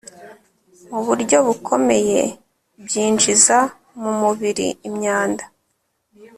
mu buryo bukomeye Byinjiza mu mubiri imyanda